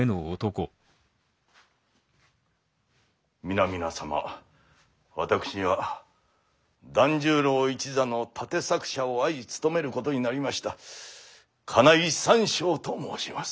皆々様私が團十郎一座の立作者をあい務めることになりました金井三笑と申します。